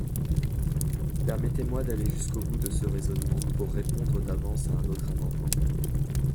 Permettez-moi d’aller jusqu’au bout de ce raisonnement, pour répondre d’avance à un autre amendement.